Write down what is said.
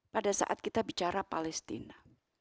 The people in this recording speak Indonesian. pada saat kita bicara palestina